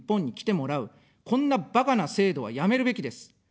こんな、ばかな制度はやめるべきです。